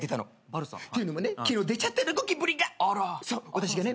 私がね